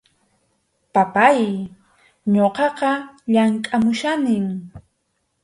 Papáy, ñuqaqa llamkʼamuchkanim.